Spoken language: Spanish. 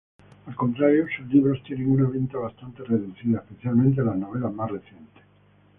Al contrarioː sus libros tienen una venta bastante reducida, especialmente las novelas más recientes.